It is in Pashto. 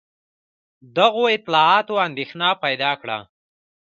دغو اطلاعاتو اندېښنه پیدا کړه.